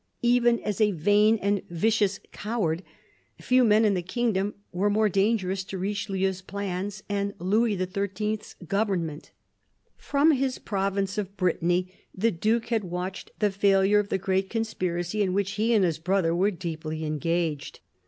Even as a vain and vicious coward, few men in the kingdom were more dangerous to Richelieu's plans and Louis XIII.'s government. From his province of Brittany, the Duke had watched the failure of the great conspiracy in which he and his brother were deeply engaged.